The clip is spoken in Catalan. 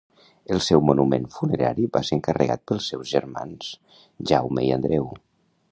El seu monument funerari va ser encarregat pels seus germans Jaume i Andreu.